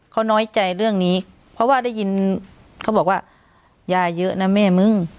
เขาน้อยใจเรื่องนี้เพราะว่าได้ยินเขาบอกว่ายายเยอะนะแม่มึง